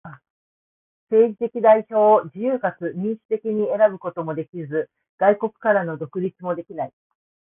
政治的代表を自由かつ民主的に選ぶこともできず、外国からの独立もない。